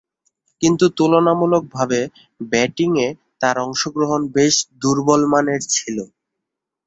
কিন্তু তুলনামূলকভাবে ব্যাটিংয়ে তার অংশগ্রহণ বেশ দূর্বলমানের ছিল।